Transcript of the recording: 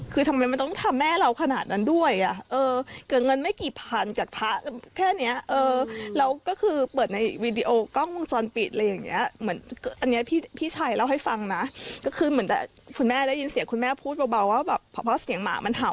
คุณแม่ได้ยินเสียงคุณแม่พูดเบาว่าเพราะเสียงหมามันเห่า